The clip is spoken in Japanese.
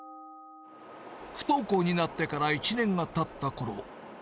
不登校になってから１年がたったころ。